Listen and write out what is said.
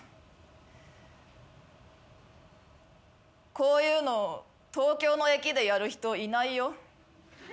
こういうの東京の駅でやる人いないよ。